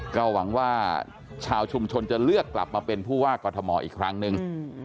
ก็หวังว่าชาวชุมชนจะเลือกกลับมาเป็นผู้ว่ากรทมอีกครั้งหนึ่ง